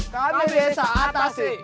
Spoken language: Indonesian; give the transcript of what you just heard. kami bisa atasi